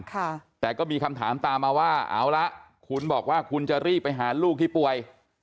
ค่ะแต่ก็มีคำถามตามมาว่าเอาละคุณบอกว่าคุณจะรีบไปหาลูกที่ป่วย